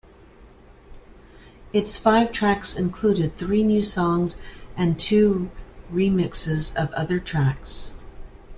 Its five tracks included three new songs and two remixes of other tracks.